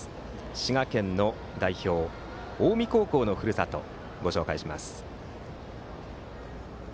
滋賀県の代表、近江高校のふるさとをご紹介します。